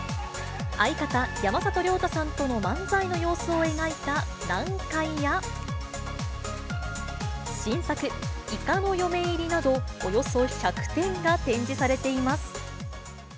相方、山里亮太さんとの漫才の様子を描いた南海や、新作、イカの嫁入りなど、およそ１００点が展示されています。